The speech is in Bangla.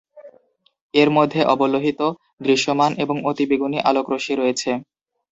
এর মধ্যে অবলোহিত, দৃশ্যমান, এবং অতিবেগুনী আলোক রশ্মি রয়েছে।